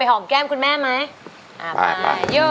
หอมแก้มคุณแม่ไหม